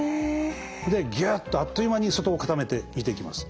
ギュッとあっという間に外を固めて煮ていきます。